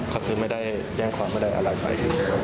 ก็คือไม่ได้แจ้งขวามไม่ได้อะไรไป